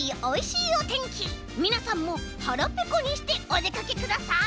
みなさんもはらぺこにしておでかけください！